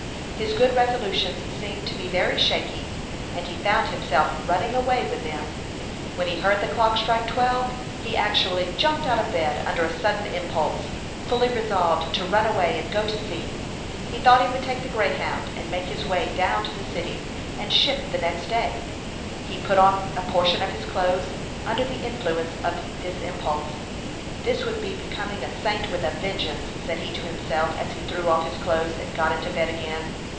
His good resolutions seemed to be very shaky, and he found himself running away from them. When he heard the clock strike twelve, he actually jumped out of bed, under a sudden impulse, fully resolved to run away and go to sea. He thought he would take the Greyhound, and make his way down to the city and ship the next day. He put on a portion of his clothes, under the influence of this impulse. "This would be becoming a saint with a vengeance!" said he to himself, as he threw off his clothes, and got into bed again.